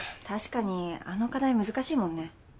確かにあの課題難しいもんね。